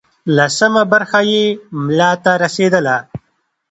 لسمه برخه یې ملا ته رسېدله.